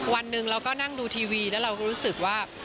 วันหนึ่งเราก็นั่งดูทีวีแล้วเราก็รู้สึกว่า